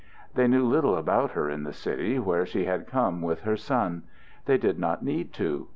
They knew little about her in the city, where she had come with her son. They did not need to.